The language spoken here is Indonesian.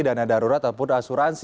dana darurat ataupun asuransi